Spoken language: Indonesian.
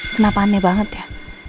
kenapa aneh banget ya